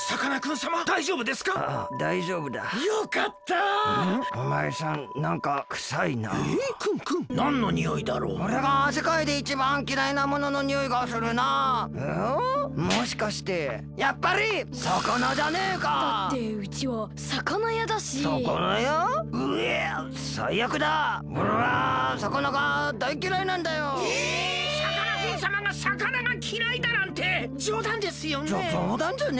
さかなクンさまがさかながきらいだなんてじょうだんですよね？